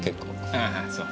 ああそう。